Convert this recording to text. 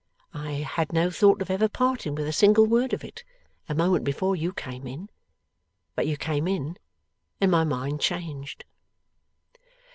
I had no thought of ever parting with a single word of it, a moment before you came in; but you came in, and my mind changed.